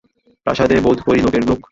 প্রাসাদে, বােধ করি অনেক লােক।